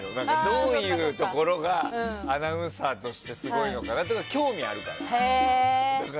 どういうところがアナウンサーとしてすごいのかなとか興味があるから。